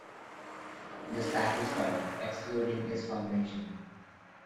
The stack is tall, excluding its foundation.